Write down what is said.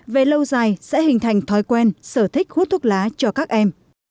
về lâu dài sẽ hình thành thói quen sở thích hút thuốc lá cho các em